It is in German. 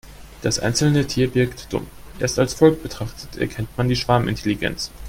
Das einzelne Tier wirkt dumm, erst als Volk betrachtet erkennt man die Schwarmintelligenz.